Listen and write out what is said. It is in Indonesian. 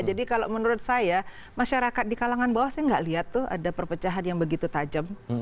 jadi kalau menurut saya masyarakat di kalangan bawah saya tidak melihat ada perpecahan yang begitu tajam